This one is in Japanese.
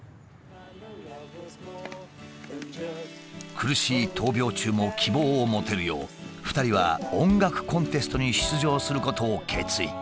苦しい闘病中も希望を持てるよう２人は音楽コンテストに出場することを決意。